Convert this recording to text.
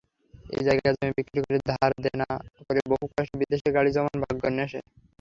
তাই জায়গা-জমি বিক্রি করে, ধার-দেনা করে বহু কষ্টে বিদেশে পাড়ি জমান ভাগ্যান্বেষণে।